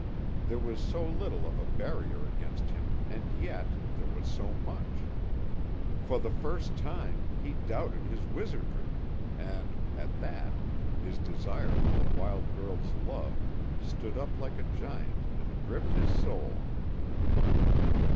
There was so little of a barrier against him and yet there was so much. For the first time, he doubted his wizardry, and, at that, his desire for the wild girl's love stood up like a giant and gripped his soul.